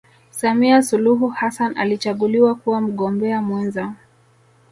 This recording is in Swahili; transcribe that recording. samia suluhu hassan alichaguliwa kuwa mgombea mwenza